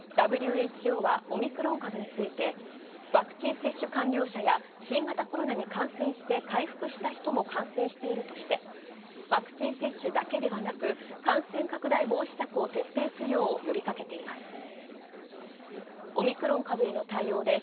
ＷＨＯはオミクロン株についてワクチン接種完了者や新型コロナに感染して回復した人も感染しているとしてワクチン接種だけでなく感染防止策に呼びかけています。